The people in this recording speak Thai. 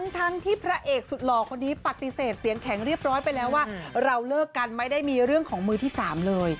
ทั้งที่พระเอกสุดหล่อคนนี้ปฏิเสธเสียงแข็งเรียบร้อยไปแล้วว่าเราเลิกกันไม่ได้มีเรื่องของมือที่๓เลย